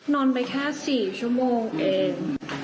นอนไปแค่๔ชั่วโมงเอง